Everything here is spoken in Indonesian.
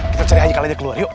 kita cari haikal aja keluar yuk